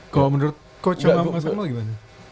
kalau menurut coach sama mas akmal gimana